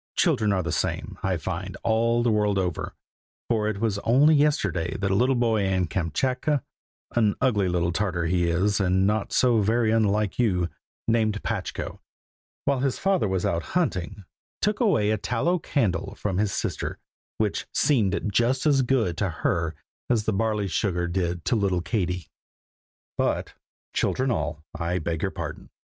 Children are the same, I find, all the world over, for it was only yesterday that a little boy in Kamschatka (an ugly little Tartar he is, and not so very unlike you), named Patchko, while his father was out hunting, took away a tallow candle from his sister, which seemed just as good to her as the barley sugar did to little Katie. But, children all, I beg your pardon!